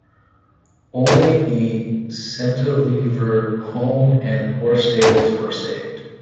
Only the Centlivre home and horse stables were saved.